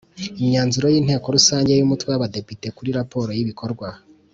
Imyanzuro y Inteko rusange y Umutwe w Abadepite kuri raporo y ibikorwa